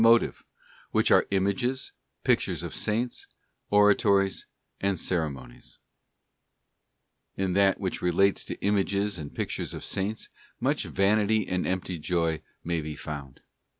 motive, which are Images, Pictures of Saints, Oratories, and Ceremonies, In that which relates to Images and Pictures of Saints much vanity and empty joy may be found.